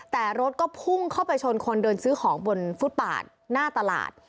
แต่รถก็พุ่งเข้าไปชนคนเดินซื้อของบนฟุตปาดหน้าตลาด